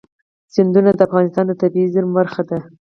سیندونه د افغانستان د طبیعي زیرمو برخه ده.